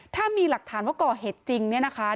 ถ้ามีหลักฐานว่าก่อเหตุจริงเนี่ยนะคะ